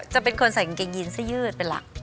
จะเป็นคนใส่กางเกงยีนเสื้อยืดเป็นหลัก